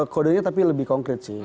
kodenya tapi lebih konkret sih